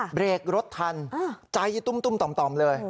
เบรกรถทันใจตุ้มต่อมเลย